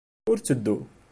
Ur tteddu!